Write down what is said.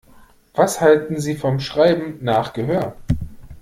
Was halten Sie vom Schreiben nach Gehör?